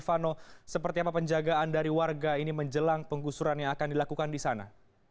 vano seperti apa penjagaan dari warga ini menjelang penggusuran yang akan dilakukan di sana